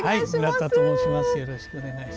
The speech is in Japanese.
邑田と申します。